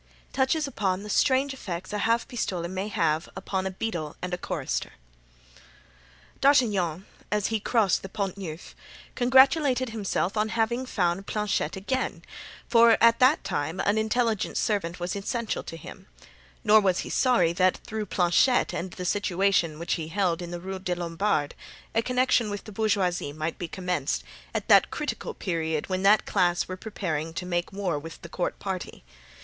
Touches upon the Strange Effects a Half pistole may have. D'Artagnan, as he crossed the Pont Neuf, congratulated himself on having found Planchet again, for at that time an intelligent servant was essential to him; nor was he sorry that through Planchet and the situation which he held in Rue des Lombards, a connection with the bourgeoisie might be commenced, at that critical period when that class were preparing to make war with the court party.